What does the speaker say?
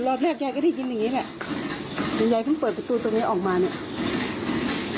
รอบแรกยายก็ได้ยินอย่างงี้แหละคุณยายเพิ่งเปิดประตูตรงนี้ออกมาเนี่ย